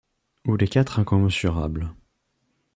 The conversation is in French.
Ou les quatre incommensurables.